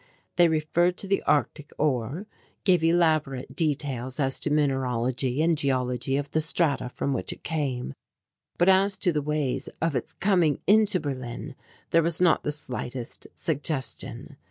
They referred to the Arctic ore, gave elaborate details as to mineralogy and geology of the strata from which it came, but as to the ways of its coming into Berlin there was not the slightest suggestion.